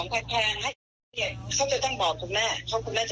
ทำไมต้องมีกรุงประทานอันนี้ออกมา